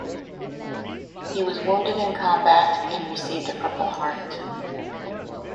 He was wounded in combat and received a Purple Heart.